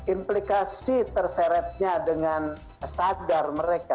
implikasi terseretnya dengan sadar mereka